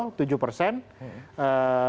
pak yusuf kala empat tiga